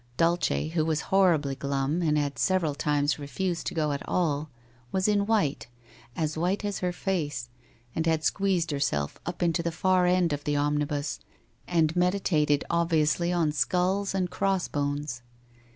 Dulce, who was horribly glum and had several times refused to go at all, was in white, as white as her face, and had squeezed herself up into the far end of the omnibus, and meditated obviouslv on skulls and crossbones.